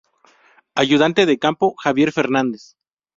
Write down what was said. Ayudante de campo: Javier Fernández.